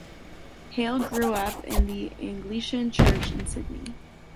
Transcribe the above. Hale grew up in the Anglican Church in Sydney.